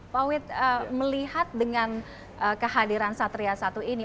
pak wit melihat dengan kehadiran satria satu ini